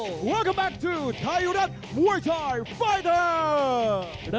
สวัสดีครับทายุรัตน์มวยชายไฟเตอร์